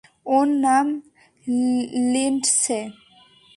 ওর নাম লিন্ডসে।